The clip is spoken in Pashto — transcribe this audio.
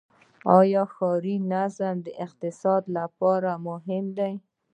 آیا ښاري نظم د اقتصاد لپاره مهم دی؟